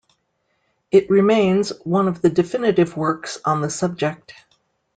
It remains one of the definitive works on the subject.